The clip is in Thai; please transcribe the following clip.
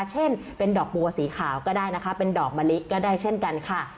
เช่นเป็นดอกบัวสีขาวก็ได้นะคะเป็นดอกมะลิก็ได้เช่นกันค่ะ